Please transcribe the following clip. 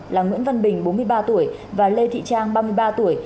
là nguyễn văn bình bốn mươi ba tuổi và lê thị trang ba mươi ba tuổi